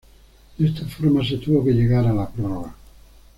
De esta forma se tuvo que llegar a la prórroga.